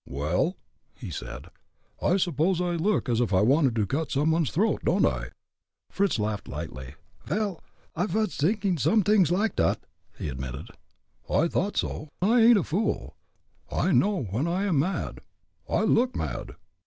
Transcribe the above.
"Well?" he said, "I suppose I look as if I wanted to cut some one's throat, don't I?" Fritz laughed lightly. "Vel, I vas t'inking somedings like dot," he admitted. "I thought so. I ain't a fool; I know when I am mad, I look mad.